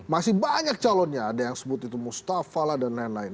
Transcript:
masih banyak calonnya ada yang sebut itu mustafa lah dan lain lain